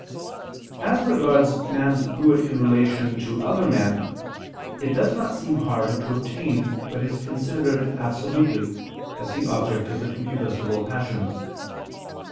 As regards man's good in relation to other men, it does not seem hard to obtain, but is considered absolutely, as the object of the concupiscible passions.